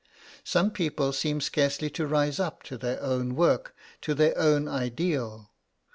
Some people seem scarcely to rise up to their own work, to their own ideal.